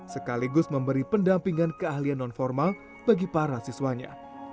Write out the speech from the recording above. sekaligus memberi pendampingan keahlian nonformal bagi para siswanya